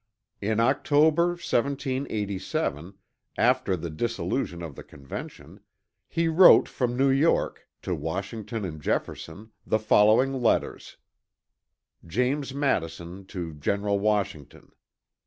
In October 1787, after the dissolution of the Convention, he wrote from New York to Washington and Jefferson, the following letters: James Madison to General Washington.